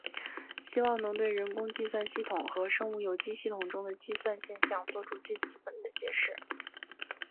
希望能对人工计算系统和生物有机体系统中的计算现象做出最基本的解释。